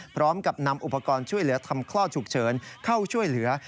พร้อมกับนำอุปกรณ์ช่วยเหลือทำคลอดฉุกเฉินเข้าช่วยเหลือ